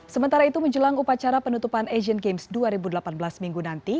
sementara itu menjelang upacara penutupan asian games dua ribu delapan belas minggu nanti